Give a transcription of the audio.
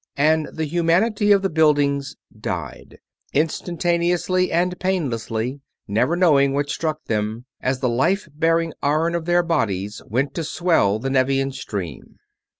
And the humanity of the buildings died: instantaneously and painlessly, never knowing what struck them, as the life bearing iron of their bodies went to swell the Nevian stream.